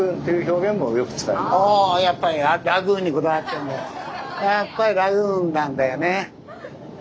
やっぱりラグーンなんだよね！